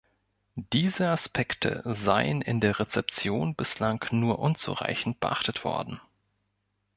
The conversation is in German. Diese Aspekte seien in der Rezeption bislang nur unzureichend beachtet worden.